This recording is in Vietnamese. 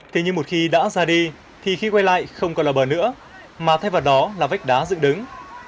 thế nhưng một khi đã ra đi thì khi quay lại không còn là bờ nữa mà thay vào đó là vách đá dự đứng